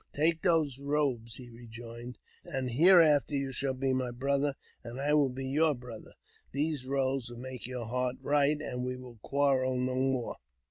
" Take those robes," he rejoined, '* and hereafter you shall be my brother, and I will be your brother. Those robes will make your heart right, and we will quarrel no more."